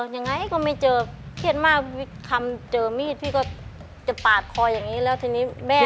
ยังไงก็ไม่เจอเครียดมากคำเจอมีดพี่ก็จะปาดคออย่างนี้แล้วทีนี้แม่